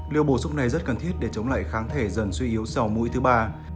liều bổ sung này rất cần thiết để chống lại kháng thể dần suy yếu sầu mũi thứ ba